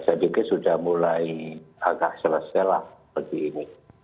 saya pikir sudah mulai agak seleselah seperti ini